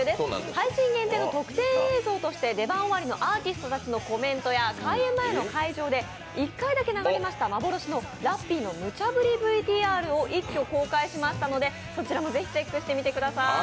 配信限定の特典映像として出番終わりのアーティストたちのコメントや開演前の会場で１回だけ流しました幻のラッピーのむちゃぶりも一挙公開しましたので、そちらもぜひチェックしてみてください。